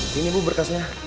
sini bu berkasnya